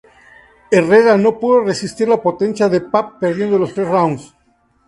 Herrera no pudo resistir la potencia de Papp perdiendo los tres rounds.